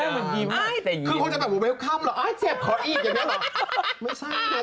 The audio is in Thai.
คงจะบอกเวลค่ำเจ็บขอนขึ้นอีก